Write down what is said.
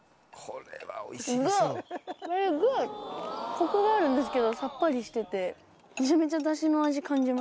コクがあるんですけどさっぱりしててめちゃめちゃダシの味感じます。